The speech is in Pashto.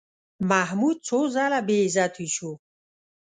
محمود څو ځله بېعزتي شو.